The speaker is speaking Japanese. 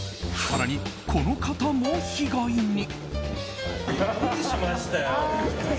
更に、この方も被害に。